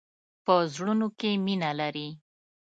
په زړونو کې مینه لری.